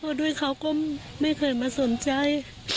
เพราะด้วยเขาก็ไม่เคยมาสนใจ